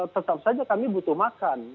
tetap saja kami butuh makan